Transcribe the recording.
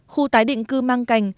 khu tái định cư mang cảnh